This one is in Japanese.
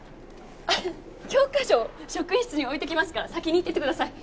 教科書職員室に置いてきますから先に行っててください。